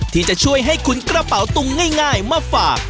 ที่จะช่วยให้คุณกระเป๋าตุงง่ายมาฝาก